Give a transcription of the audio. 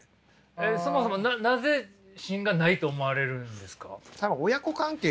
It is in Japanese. えっそもそもなぜ芯がないと思われるんですか？